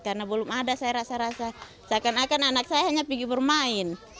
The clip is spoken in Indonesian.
karena belum ada saya rasa rasa seakan akan anak saya hanya pergi bermain